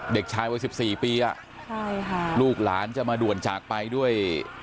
เด็กชายวัยสิบสี่ปีอ่ะใช่ค่ะลูกหลานจะมาด่วนจากไปด้วย